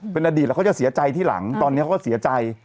เป็นอดีตแล้วเขาจะเสียใจที่หลังตอนนี้เขาก็เสียใจ